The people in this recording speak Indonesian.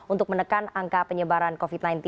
untuk menekan angka penyebaran covid sembilan belas